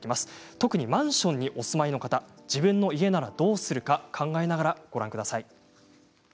特にマンションにお住まいの方自分の家ならどうするか考えながらご覧ください。